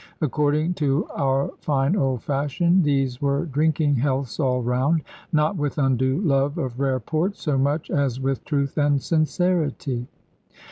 According to our fine old fashion, these were drinking healths all round, not with undue love of rare port, so much as with truth and sincerity.